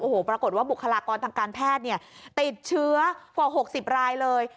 โอ้โหปรากฏว่าบุคลากรทางการแพทย์ติดเชื้อกว่า๖๐รายเลย